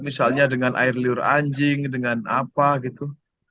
misalnya dengan air liur anjing dengan apa gitu